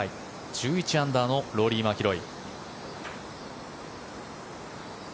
１１アンダーのローリー・マキロイ。